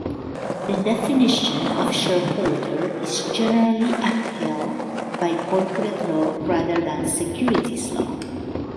The definition of "shareholder" is generally upheld by corporate law rather than securities law.